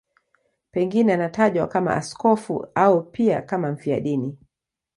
Pengine anatajwa kama askofu au pia kama mfiadini.